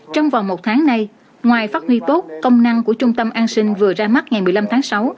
trong vòng một tháng nay ngoài phát huy tốt công năng của trung tâm an sinh vừa ra mắt ngày một mươi năm tháng sáu